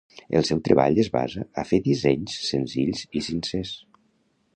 El seu treball es basa a fer dissenys senzills i sincers.